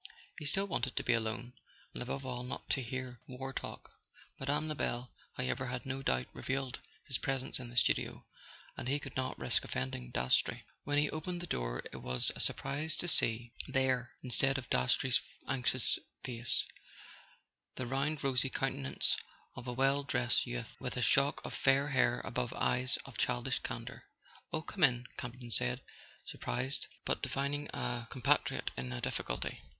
He still wanted to be alone, and above all not to hear war talk. Mme. Lebel, however, had no doubt revealed his presence in the studio, and he could not risk offending Dastrey. When he opened the door it was a surprise to see [ 103 ] A SON AT THE FRONT there, instead of Dastrey's anxious face, the round rosy countenance of a well dressed youth with a shock of fair hair above eyes of childish candour. "Oh—come in," Campton said, surprised, but divin¬ ing a compatriot in a difficulty.